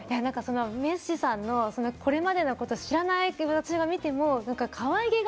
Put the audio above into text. メッシさんのこれまでのことを知らない私が見てもかわいげが